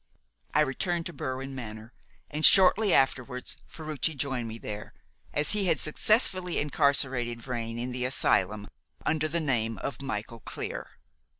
I returned to Berwin Manor, and shortly afterwards Ferruci joined me there, as he had successfully incarcerated Vrain in the asylum under the name of Michael Clear.